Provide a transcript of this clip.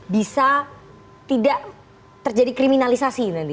bisa tidak terjadi kriminalisasi nanti